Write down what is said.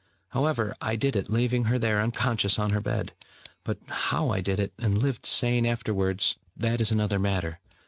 However, I did it, leaving her there unconscious on her bed: but how I did it, and lived sane afterwards, that is another matter.